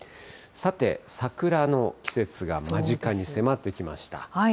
さて、桜の季節が間近に迫ってきました。